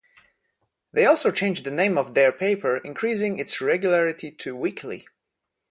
They also changed the name of their paper, increasing its regularity to weekly.